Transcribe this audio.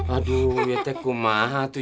aduh wajar maha tuh